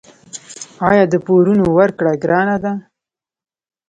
آیا د پورونو ورکړه ګرانه ده؟